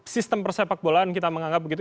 sistem persepak bolaan kita menganggap begitu